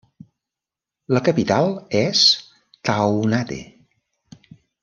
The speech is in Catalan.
La capital és Taounate.